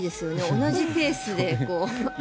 同じペースで。